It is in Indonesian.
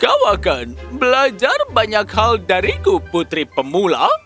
kau akan belajar banyak hal dariku putri pemula